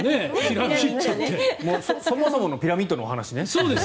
そもそものピラミッドのお話ね。